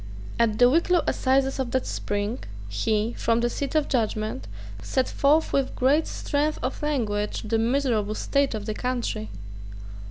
At the Wicklow assizes of that spring, he, from the seat of judgment, set forth with great strength of language the miserable state of the country.